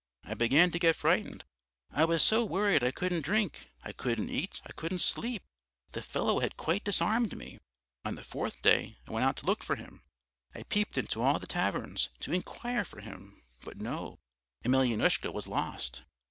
I began to get frightened; I was so worried, I couldn't drink, I couldn't eat, I couldn't sleep. The fellow had quite disarmed me. On the fourth day I went out to look for him; I peeped into all the taverns, to inquire for him but no, Emelyanoushka was lost.